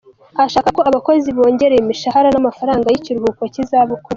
Ashaka ko abakozi bongererwa imishahara n'amafaranga y'ikiruhuko k'izabukuru.